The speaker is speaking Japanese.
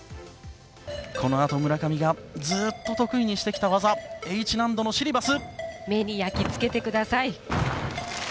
この後、村上がずっと得意にしてきた技、Ｈ難度のシリバス。